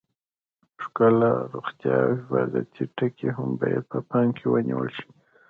ښکلا، روغتیا او حفاظتي ټکي هم باید په پام کې ونیول شي.